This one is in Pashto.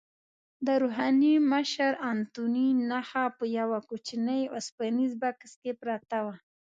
د روحاني مشر انتوني نخښه په یوه کوچني اوسپنیز بکس کې پرته وه.